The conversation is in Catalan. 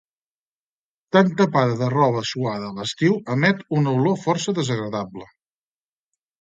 Tan tapada de roba suada a l'estiu emet una olor força desagradable